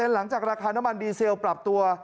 หลังจากราคาน้ำมันดีเซลปรับตัว